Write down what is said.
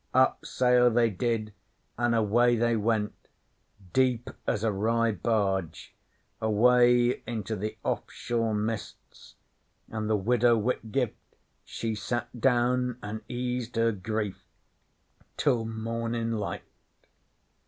Up sail they did, an' away they went, deep as a Rye barge, away into the off shore mists, an' the Widow Whitgift she sat down an' eased her grief till mornin' light.'